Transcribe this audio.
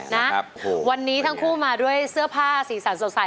นะครับผมวันนี้ทั้งคู่มาด้วยเสื้อผ้าสีสันสดใส